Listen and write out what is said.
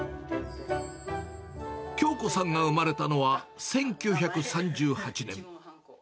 京子さんが生まれたのは１９３８年。